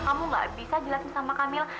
kamu nggak bisa jelasin sama kamila